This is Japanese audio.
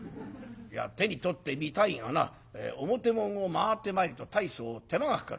いや手に取ってみたいがな表門を回ってまいると大層手間がかかる。